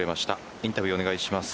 インタビューをお願いします。